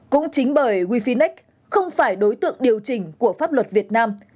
cũng chính bởi wefinec không phải đối tượng điều chỉnh của pháp luật việt nam